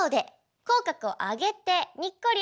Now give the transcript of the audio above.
口角を上げてにっこり